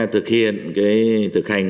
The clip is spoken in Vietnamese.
thực hiện cái thực hành